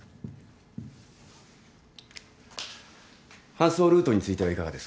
搬送ルートについてはいかがですか？